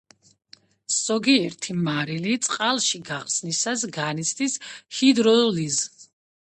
ზოგიერთი მარილი წყალში გახსნისას განიცდის ჰიდროლიზს.